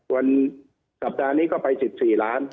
วันสัปดาห์นี้ก็ไป๑๔ล้าน